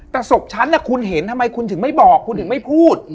แต่ศพฉันคุณเห็นทำไมคุณถึงไม่บอกคุณถึงไม่พูด